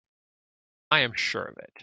I am sure of it.